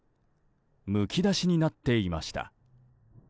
むき出しになっていました。